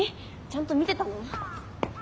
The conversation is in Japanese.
ちゃんと見てたの？